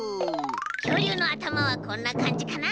きょうりゅうのあたまはこんなかんじかな？